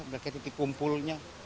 mereka titik kumpulnya